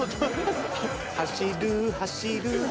走る走るか？